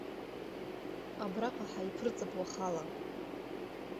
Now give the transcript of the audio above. Абраҟа ҳаиԥырҵып уахала.